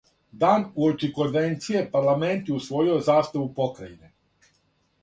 Дан уочи конвенције парламент је усвојио заставу покрајине.